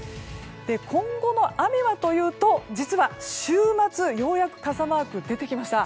今後の雨はというと実は、週末ようやく傘マークが出てきました。